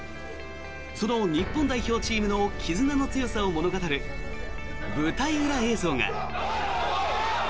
その日本代表チームの絆の強さを物語る舞台裏映像が。